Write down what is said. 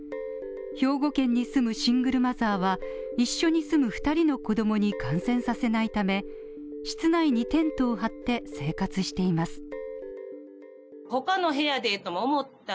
兵庫県に住むシングルマザーは一緒に住む２人の子供に感染させないため、室内にテントを張って生活しています。